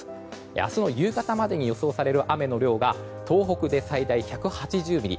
明日の夕方までに予想される雨の量が東北で最大１８０ミリ。